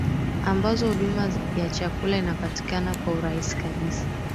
ambazo huduma ya chakula inapatikana kwa urahisi kabisa